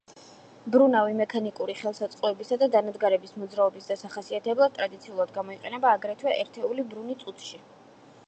მბრუნავი მექანიკური ხელსაწყოებისა და დანადგარების მოძრაობის დასახასიათებლად ტრადიციულად გამოიყენება აგრეთვე ერთეული ბრუნი წუთში.